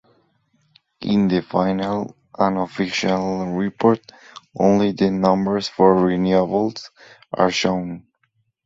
In the final and official report only the numbers for renewables are shown.